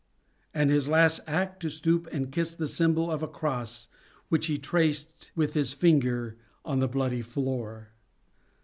and his last act, to stoop and kiss the symbol of a cross which he traced with his finger on the bloody floor.